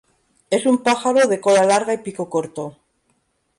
Es un pájaro de cola larga y pico corto.